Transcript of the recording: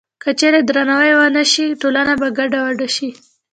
که چېرې درناوی ونه شي، ټولنه به ګډوډه شي.